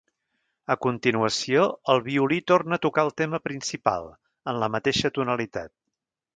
A continuació, el violí torna a tocar el tema principal, en la mateixa tonalitat.